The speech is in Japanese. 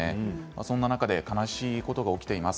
そんな中悲しいことが起きています。